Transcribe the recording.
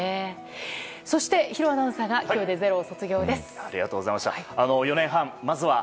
そして、弘アナウンサーが今日で「ｚｅｒｏ」を卒業です。